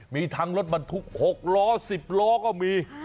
มีทั้งรถบรรทุก๖ล้อ๑๐ล้อก็มี